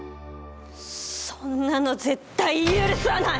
そんなの絶対許さない！